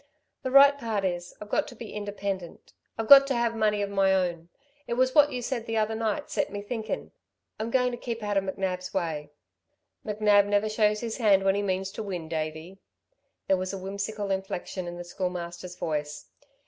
The right part is, I've got to be independent. I've got to have money of my own. It was what you said the other night set me thinking. I'm going to keep out of McNab's way." "McNab never shows his hand when he means to win, Davey," there was a whimsical inflection in the Schoolmaster's voice.